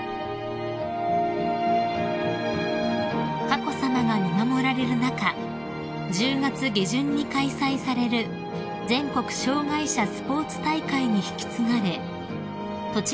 ［佳子さまが見守られる中１０月下旬に開催される全国障害者スポーツ大会に引き継がれとちぎ国体は幕を閉じました］